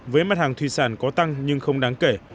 với mặt hàng thủy sản có tăng nhưng không đáng kể